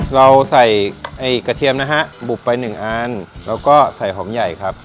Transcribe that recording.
เราใส่ไอ้กระเทียมนะฮะบุบไปหนึ่งอันแล้วก็ใส่หอมใหญ่ครับ